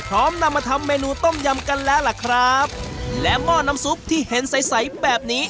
นำมาทำเมนูต้มยำกันแล้วล่ะครับและหม้อน้ำซุปที่เห็นใสใสแบบนี้